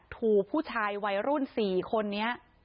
ถูกผู้ชายวัยรุ่น๔คนนี้